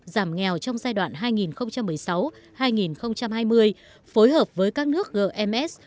giảm nghèo trong giai đoạn hai nghìn một mươi sáu hai nghìn hai mươi phối hợp với các nước gms